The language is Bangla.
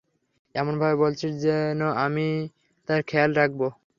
এমনভাবে বলছিস যেন আমিই তার খেয়াল রাখবো?